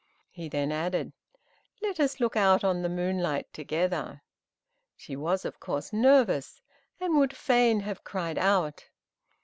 He then added, "Let us look out on the moonlight together." She was, of course, nervous, and would fain have cried out.